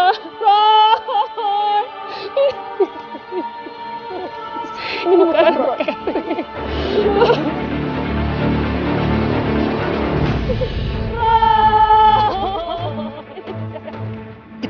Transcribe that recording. ibu tentangnya ibu